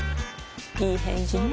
いい返事ね